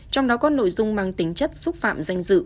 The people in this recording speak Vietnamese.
trong đó có nội dung mang tính chất xúc phạm danh dự